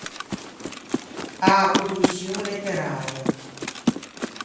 A produçion letteräia.